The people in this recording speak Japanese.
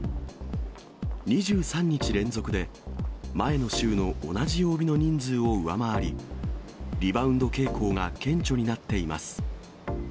２３日連続で、前の週の同じ曜日の人数を上回り、リバウンド傾向が顕著になっています。